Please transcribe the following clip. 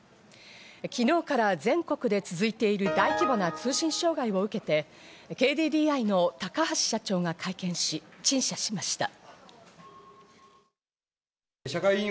昨日から全国で続いている大規模な通信障害を受けて、ＫＤＤＩの高橋社長が会見し、陳謝しました。